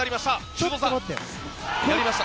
修造さん、やりました。